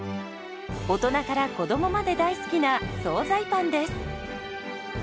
大人から子どもまで大好きな総菜パンです。